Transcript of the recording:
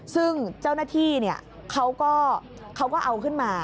ซึ่งเจ้าหน้าที่เขาก็เอาขึ้นมา